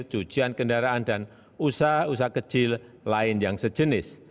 cucian kendaraan dan usaha usaha kecil lain yang sejenis